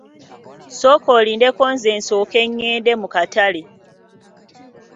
Sooka olindeko nze nsooke ngende mu katale.